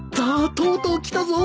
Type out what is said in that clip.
とうとう来たぞ！